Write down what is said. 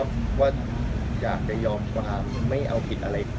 อยากที่ผมบอกไปว่าอยากจะยอมแล้วไม่เอาผิดอะไร